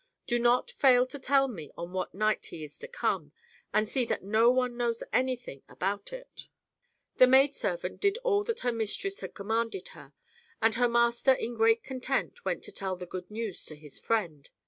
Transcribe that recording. Do not fail to tell me on what night he is to come, and see that no one knows anything about it." The maid servant did all that her mistress had commanded her, and her master in great content went to tell the good news to his friend.